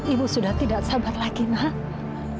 ibu sudah tidak sabar lagi nak